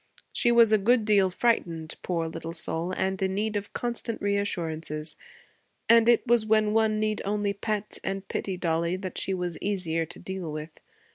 She was a good deal frightened, poor little soul, and in need of constant reassurances; and it was when one need only pet and pity Dollie that she was easier to deal with.